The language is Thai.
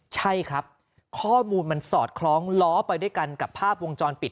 ใช่ครับข้อมูลมันสอดคล้องล้อไปด้วยกันกับภาพวงจรปิด